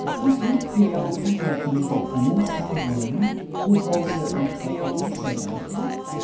Could you hereafter have any dependance on one, who holds her integrity so lightly?